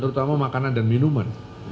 terutama makanan dan minuman